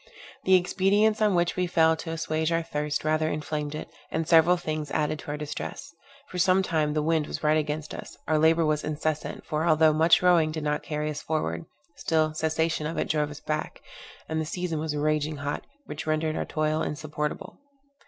The expedients on which we fell to assuage our thirst rather inflamed it, and several things added to our distress. For some time the wind was right against us; our labour was incessant, for, although much rowing did not carry us forward, still, cessation of it drove us back; and the season was raging hot, which rendered our toil insupportable.